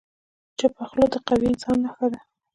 چپه خوله، د قوي انسان نښه ده.